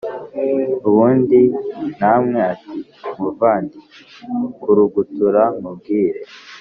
ubundi nawe ati”muvandi kurugutura nkubwire